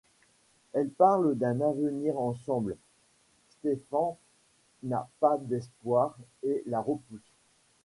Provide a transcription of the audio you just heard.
Elle parle d'un avenir ensemble, Stefan n'a pas d'espoir et la repousse.